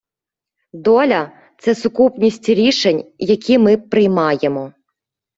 Доля — це сукупність рішень, які ми приймаємо.